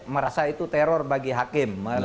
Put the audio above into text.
merasa itu teror bagi hakim